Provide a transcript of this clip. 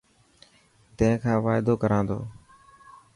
تين کان وعدو ڪران تو.